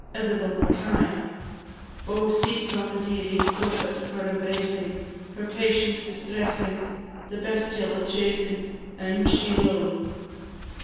Isabel Mackay, &c. Oh, seest not the dearie So fit for embracing, Her patience distressing, The bestial a chasing, And she alone!